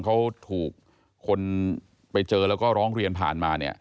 เขาถูกคนไปเจอแล้วก็ร้องเรียนผ่านมาเนี่ย